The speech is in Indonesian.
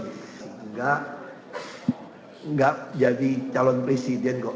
enggak enggak jadi calon presiden kok